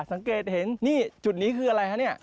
สังเกตเห็นนี่จุดนี้คืออะไรฮะเนี่ย